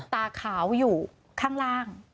ตาขาวอยู่ข้างล่าง